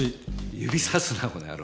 指さすなこの野郎！